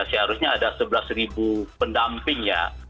seharusnya ada sebelas pendamping